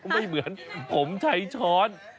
ไม่เหมือนผมใช้ช้อน